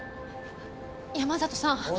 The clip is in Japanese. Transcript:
山里さん。